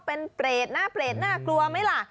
เป็นเปรตหน้าเปรตน่ากลัวไหมล่ะ